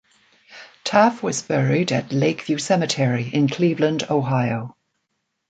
Taft was buried at Lake View Cemetery in Cleveland, Ohio.